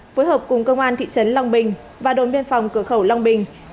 phối hợp cùng công an thị trấn long bình và đồn biên phòng cửa khẩu long bình